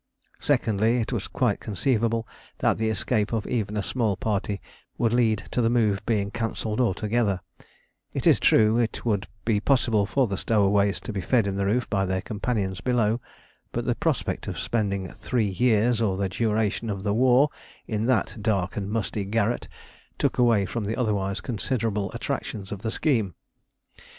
Secondly, it was quite conceivable that the escape of even a small party would lead to the move being cancelled altogether: it is true it would be possible for the stowaways to be fed in the roof by their companions below, but the prospect of spending "three years or the duration of the war" in that dark and musty garret took away from the otherwise considerable attractions of the scheme.